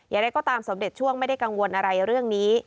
อย่างไรก็ตามสมเด็จช่วงไม่ได้กังวลอะไรเรื่องนี้